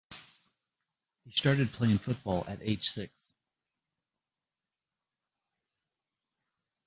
He started playing football at age six.